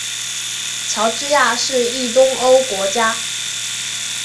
乔治亚是一东欧国家。